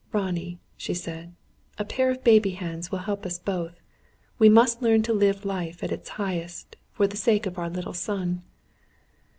"Ronnie," she said, "a pair of baby hands will help us both. We must learn to live life at its highest, for the sake of our little son."